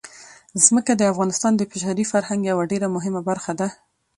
ځمکه د افغانستان د بشري فرهنګ یوه ډېره مهمه برخه ده.